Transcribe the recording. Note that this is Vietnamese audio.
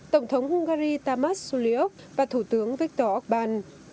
tổng thống hungary tamás zulíuk và thủ tướng viktor orbán